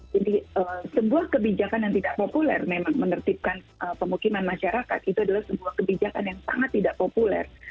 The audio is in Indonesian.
jadi sebuah kebijakan yang tidak populer memang menertibkan pemukiman masyarakat itu adalah sebuah kebijakan yang sangat tidak populer